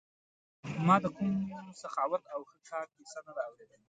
ما د کوم سخاوت او ښه کار کیسه نه ده اورېدلې.